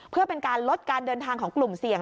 เพื่อเป็นการลดการเดินทางของกลุ่มเสี่ยง